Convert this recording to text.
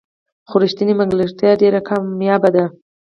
خو رښتینې ملګرتیا ډېره کمیابه ده.